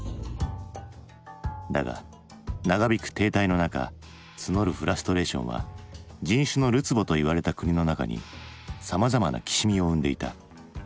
だが長びく停滞の中募るフラストレーションは人種のるつぼと言われた国の中にさまざまな軋みを生んでいた。